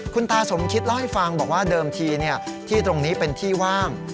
คุณตาสมคิดเล่าให้ฟังบอกว่าเดิมทีที่ตรงนี้เป็นที่ว่าง